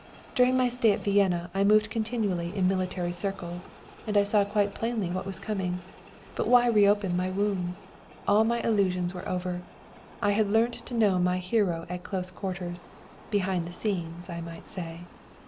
During my stay at Vienna I moved continually in military circles, and I saw quite plainly what was coming. But why reopen my wounds? All my illusions were over. I had learnt to know my hero at close quarters, behind the scenes, I might say.